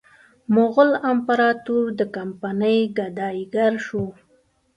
مغول امپراطور د کمپنۍ ګدایي ګر شو.